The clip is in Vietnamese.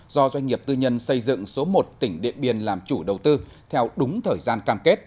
do doanh nghiệp tư nhân xây dựng số một tỉnh điện biên làm chủ đầu tư theo đúng thời gian cam kết